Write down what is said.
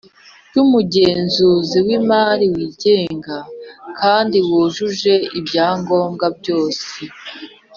Ry’ umugenzuzi w’ imari wigenga kandi wujuje ibyangobwa byose